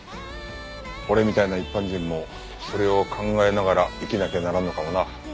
俺みたいな一般人もそれを考えながら生きなきゃならんのかもな。